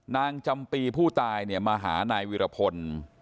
นางจำปีผู้ตายเนี่ยมาหานายวิรพล